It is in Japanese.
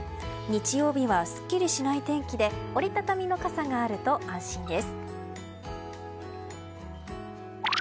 日曜日はすっきりしない天気で折り畳みの傘があると安心です。